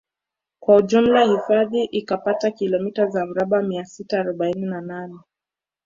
Kwa ujumla hifadhi ikapata kilomita za mraba mia sita arobaini na nane